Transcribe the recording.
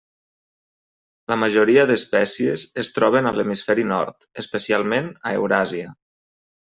La majoria d'espècies es troben a l'Hemisferi Nord, especialment a Euràsia.